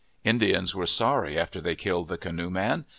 Indians were sorry after they killed the canoe man.